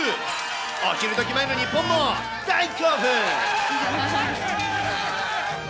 お昼どき前の日本も大興奮。